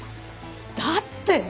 だって！